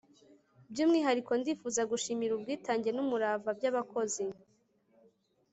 by'umwihariko ndifuza gushimira ubwitange n'umurava by'abakozi